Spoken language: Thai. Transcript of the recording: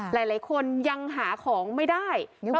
หลายคนยังหาของไม่ได้